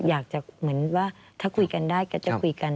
อยากจะเหมือนว่าถ้าคุยกันได้ก็จะคุยกัน